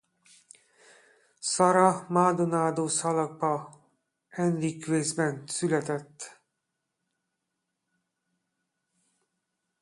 Sara Maldonado Xalapa-Enríquezben született.